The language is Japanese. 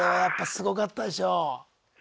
すごかったです。